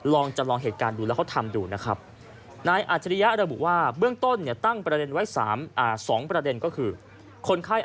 ลองจำลองเหตุการณ์ดูแล้วเขาทำดูนะครับไนเอาจะเรียสมบูรณ์ว่าเบื้องต้นเนี่ยตั้งประเด็นไว้สองประเด็นก็คือคนไข้